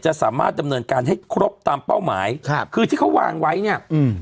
สามารถดำเนินการให้ครบตามเป้าหมายครับคือที่เขาวางไว้เนี้ยอืม